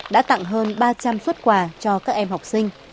đã tặng hơn ba trăm linh xuất quà cho các em học sinh